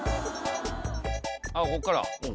あっこっから？